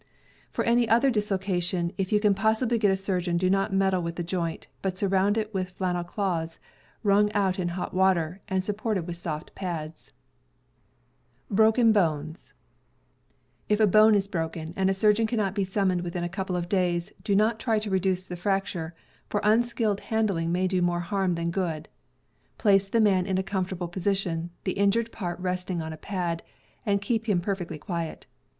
For any other dislocation, if you can possibly get a surgeon, do not meddle with the joint, but surround it with flannel cloths, wrung out in hot water, and sup port with soft pads. If a bone is broken, and a surgeon can be summoned within a couple of days, do not try to reduce the frac ture, for unskilled handling may do more harm than good. Place the man in a comfortable position, the injured part resting on a pad, and keep him perfectly quiet.